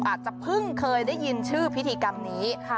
อาจจะเพิ่งเคยได้ยินชื่อพิธีกรรมนี้